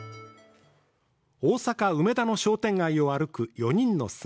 大阪・梅田の商店街を歩く、４人の姿。